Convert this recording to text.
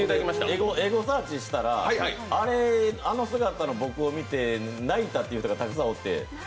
エゴサーチしたら、あの姿の僕を見て泣いたという人がたくさんおって。